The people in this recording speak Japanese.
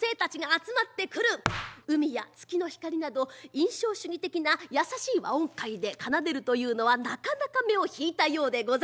「海」や「月の光」など印象主義的な優しい和音階で奏でるというのはなかなか目を引いたようでございます。